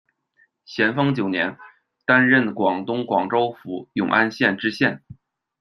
咸丰九年，担任广东广州府永安县知县。